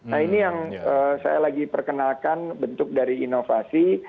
nah ini yang saya lagi perkenalkan bentuk dari inovasi